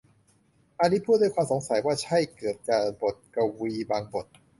อลิซพูดด้วยความสงสัยว่า ใช่ เกือบจะ บทกวีบางบท